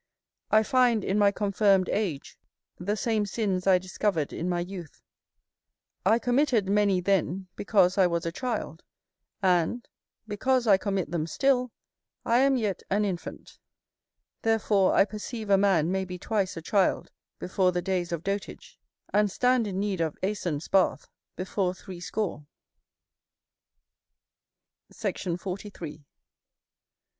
I find in my confirmed age the same sins I discovered in my youth; I committed many then because I was a child; and, because I commit them still, I am yet an infant. Therefore I perceive a man may be twice a child, before the days of dotage; and stand in need of Æson's bath before threescore. [L] Ep. lib. xxiv. ep. 24. _Sect.